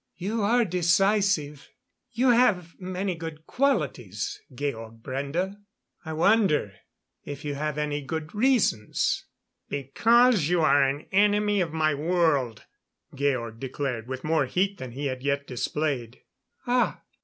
"You are decisive. You have many good qualities, Georg Brende. I wonder if you have any good reasons?" "Because you are an enemy of my world," Georg declared, with more heat than he had yet displayed. "Ah!